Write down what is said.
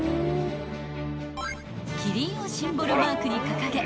［麒麟をシンボルマークに掲げ］